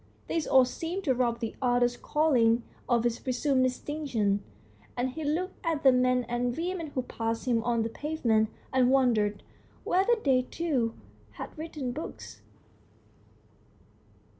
This all seemed to rob the author's calling of its presumed distinction, and he looked at the men and women who passed him on the pavement, and wondered whether they too had written books.